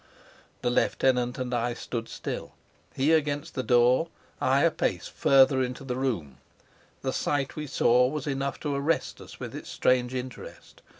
The lieutenant and I stood still, he against the door, I a pace farther into the room. The sight we saw was enough to arrest us with its strange interest.